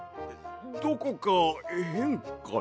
どこかへんかな？